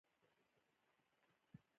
ایا عضلات مو کمزوري دي؟